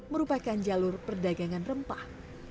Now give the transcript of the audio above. merupakan jalur perdagangan rempah